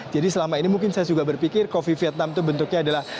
jadi selama ini mungkin saya juga berpikir coffee vietnam itu bentuknya adalah